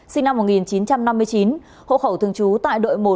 sinh năm một nghìn chín trăm năm mươi chín hộ khẩu thường trú tại đội một